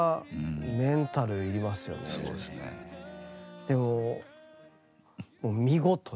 でも見事に。